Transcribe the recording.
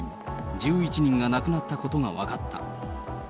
１１人が亡くなったことが分かった。